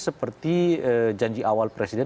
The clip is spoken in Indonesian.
seperti janji awal presiden